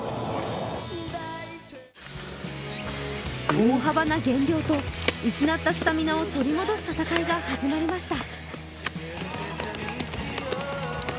大幅な減量と失ったスタミナを取り戻す戦いが始まりました。